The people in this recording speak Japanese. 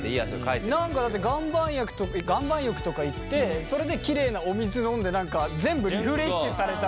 何かだって岩盤浴とか行ってそれできれいなお水飲んで全部リフレッシュされたっていう。